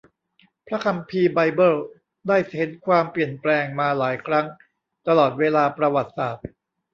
พระคัมภีร์ไบเบิลได้เห็นความเปลี่ยนแปลงมาหลายครั้งตลอดเวลาประวัติศาสตร์